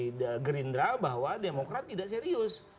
yang menyebutkan oleh gerindra bahwa demokrat tidak serius